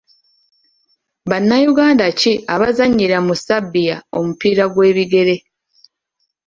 Bannayuganda ki abazannyira mu Serbia omupiira gw'ebigere?